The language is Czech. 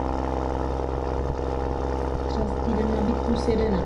Dionne Warwick je držitelkou pěti cen Grammy.